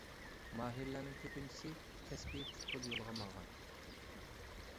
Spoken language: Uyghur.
ماھىرلارنىڭ كۆپىنچىسى كەسپىي پۇتبول يولىغا ماڭغان.